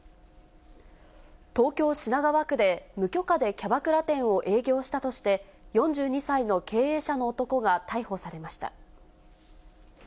東京・品川区で、無許可でキャバクラ店を営業したとして、４２歳の経営者の男が逮捕されました。